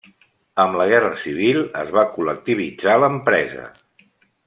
Amb la Guerra Civil es va col·lectivitzar l'empresa.